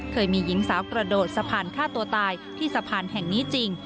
เคยมีหญิงสาวกระโดดสะพานฆ่าตัวตายที่สะพานแห่งนี้จริง